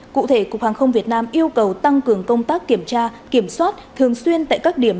cụ thể cục hàng không việt nam yêu cầu tăng cường công tác kiểm tra kiểm soát thường xuyên tại các điểm